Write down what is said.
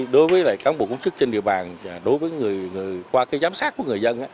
đối với lại cán bộ công chức trên địa bàn đối với người qua cái giám sát của người dân